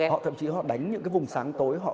họ thậm chí đánh những cái vùng sáng tối